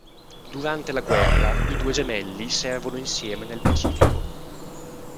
Durante la guerra i due gemelli servono insieme nel Pacifico.